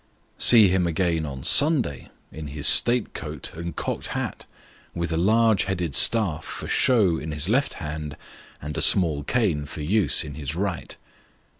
See him again on Sunday in his state coat and cocked hat, with a large headed staff for show in his left hand, and a small cane for use in his right.